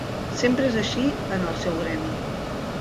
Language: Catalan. Sempre és així, en el seu gremi.